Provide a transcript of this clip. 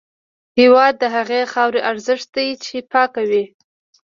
هېواد د هغې خاورې ارزښت دی چې پاکه وي.